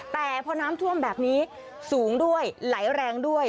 แต่พอน้ำท่วมแบบนี้สูงด้วยไหลแรงด้วย